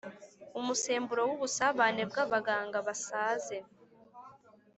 umusemburo w’ubusabane bwabaganga basaze